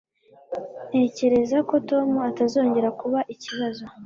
Ntekereza ko Tom atazongera kuba ikibazo.